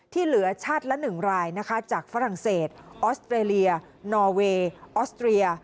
ที่เหลือชาติละ๑รายนะคะจากฝรั่งเศสออสเตรเลียนอเวย์ออสเตรีย